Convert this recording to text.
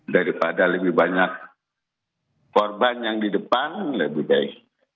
daripada lebih banyak korban yang di depan lebih baik